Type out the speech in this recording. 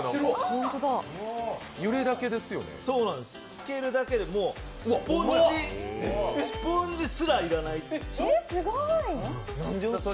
つけるだけで、スポンジすら要らない。